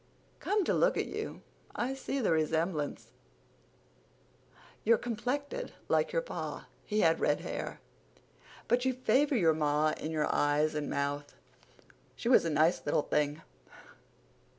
"Come to look at you, I see the resemblance. You're complected like your pa. He had red hair. But you favor your ma in your eyes and mouth. She was a nice little thing.